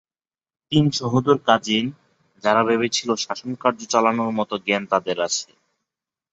তিন সহোদর কাজিন যারা ভেবেছিল শাসনকার্য চালানোর মতো জ্ঞান তাদের আছে।